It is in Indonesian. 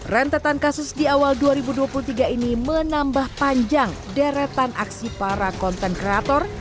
rentetan kasus di awal dua ribu dua puluh tiga ini menambah panjang deretan aksi para konten kreator